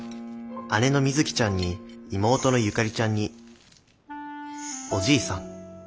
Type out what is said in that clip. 姉のみづきちゃんに妹のゆかりちゃんにおじいさん。